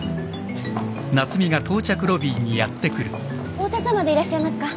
太田さまでいらっしゃいますか？